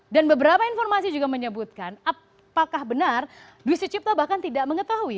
dan beberapa informasi juga menyebutkan apakah benar dwi sucipto bahkan tidak mengetahui